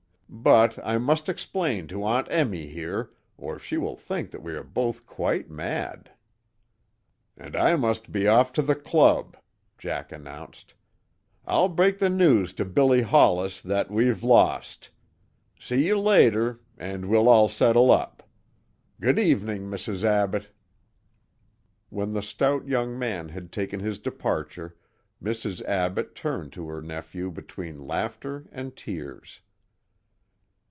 But I must explain to Aunt Emmy here, or she will think that we are both quite mad!" "And I must be off to the club," Jack announced. "I'll break the news to Billy Hollis that we've lost. See you later, and we'll all settle up. Good evening, Mrs. Abbott." When the stout young man had taken his departure, Mrs. Abbott turned to her nephew between laughter and tears.